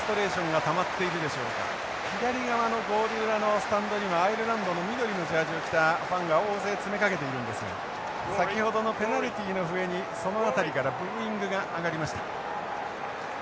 左側のゴール裏のスタンドにはアイルランドの緑のジャージを着たファンが大勢詰めかけているんですが先ほどのペナルティの笛にその辺りからブーイングが上がりました。